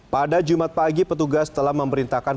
pada jumat pagi petugas telah memerintahkan